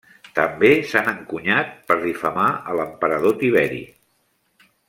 També s'han encunyat per difamar a l'emperador Tiberi.